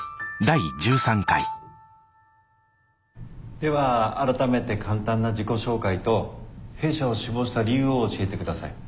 では改めて簡単な自己紹介と弊社を志望した理由を教えて下さい。